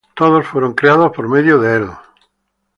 Todos fueron creados por medio de Él.